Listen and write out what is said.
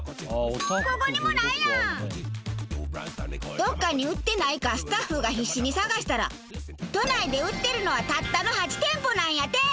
どこかに売ってないかスタッフが必死に探したら都内で売ってるのはたったの８店舗なんやて！